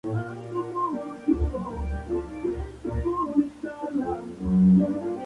Se cultiva la quinua, y en menor escala haba, papa.